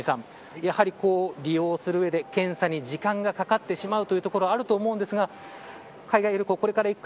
やはり、利用する上で検査に時間がかかってしまうというところあると思うんですが海外旅行、これから行く方。